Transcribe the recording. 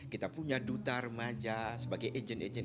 kita punya duta remaja sebagai agent agent